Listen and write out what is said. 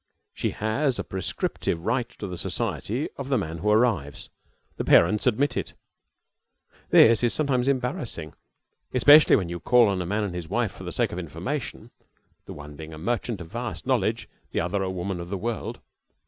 She has a prescriptive right to the society of the man who arrives. The parents admit it. This is sometimes embarrassing, especially when you call on a man and his wife for the sake of information the one being a merchant of varied knowledge, the other a woman of the world.